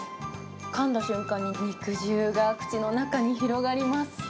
かんだ瞬間に肉汁が口の中に広がります。